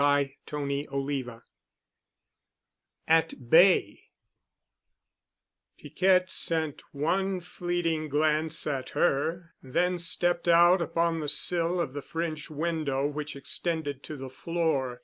*CHAPTER XVIII* *AT BAY* Piquette sent one fleeting glance at her, then stepped out upon the sill of the French window which extended to the floor.